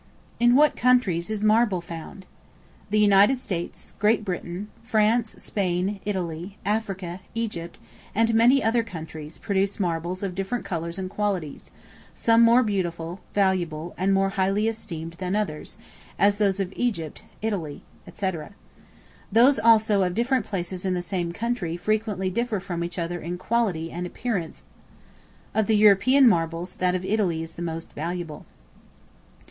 In what countries is Marble found? The United States, Great Britain, France, Spain, Italy, Africa, Egypt, and many other countries, produce marbles of different colors and qualities; some more beautiful, valuable, and more highly esteemed than others, as those of Egypt, Italy, &c. Those, also, of different places in the same country frequently differ from each other in quality and appearance Of the European marbles, that of Italy is the most valuable.